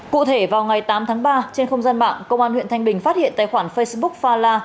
cụ thể vào ngày tám tháng ba trên không gian mạng công an huyện thanh bình phát hiện tài khoản facebook fala